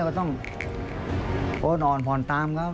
เราก็ต้องโอ้นอ่อนผ่อนตามครับ